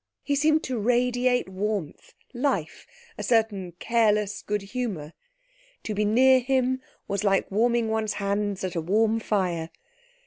He seemed to radiate warmth, life, a certain careless good humour. To be near him was like warming one's hands at a warm fire.